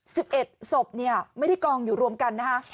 ๑๑ศพไม่ได้กองอยู่รวมกันนะฮะ